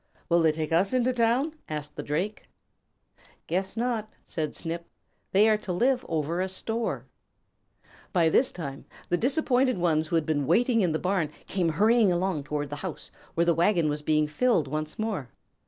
"Will they take us into town?" asked the Drake. "Guess not," said Snip. "They are to live over a store." By this time the disappointed ones who had been waiting in the barn came hurrying along toward the house, where the wagon was being filled once more.